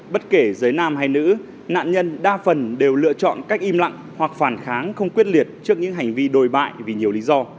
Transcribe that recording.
bất kể giới nam hay nữ nạn nhân đa phần đều lựa chọn cách im lặng hoặc phản kháng không quyết liệt trước những hành vi đồi bại vì nhiều lý do